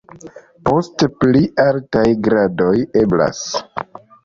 Poste pli altaj gradoj eblas.